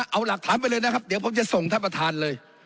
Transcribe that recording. เอาหลักฐานไปเลยนะครับเดี๋ยวผมจะส่งท่านประธานเลย